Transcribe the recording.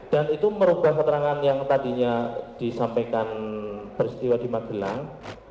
dan itu merubah keterangan yang tadinya disampaikan peristiwa di magelang